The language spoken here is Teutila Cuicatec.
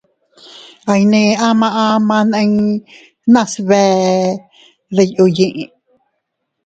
Aiynee ama ama nii nase iyteʼe diyu yiʼi.